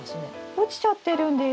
落ちちゃってるんです。